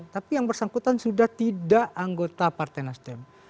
tapi yang bersangkutan sudah tidak anggota partai nasdem